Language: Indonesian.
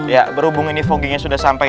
ya berhubung ini foggingnya sudah sampai